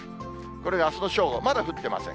これがあすの正午、まだ降ってません。